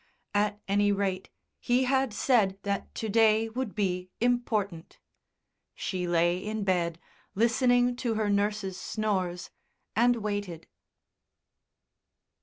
At any rate, he had said that to day would be important.... She lay in bed, listening to her nurse's snores, and waited.